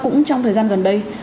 cũng trong thời gian gần đây